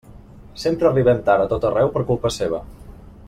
Sempre arribem tard a tot arreu per culpa seva.